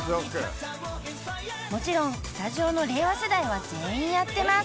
［もちろんスタジオの令和世代は全員やってます］